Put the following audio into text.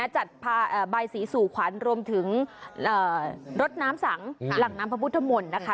จัดใบสีสู่ขวัญรวมถึงรถน้ำสังหลังน้ำพระพุทธมนต์นะคะ